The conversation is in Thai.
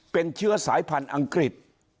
เป็นเชื้อสายพันธุ์อังกฤษ